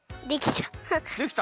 できた。